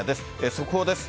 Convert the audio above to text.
速報です。